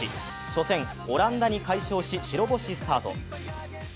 所詮、オランダに快勝し白星スタート。